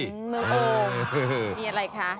ประมาณนี้ค่ะมึงอกค่ะมีอะไรคะ